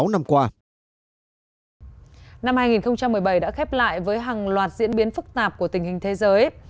năm hai nghìn một mươi bảy đã khép lại với hàng loạt diễn biến phức tạp của tình hình thế giới